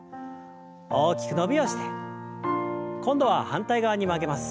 大きく伸びをして今度は反対側に曲げます。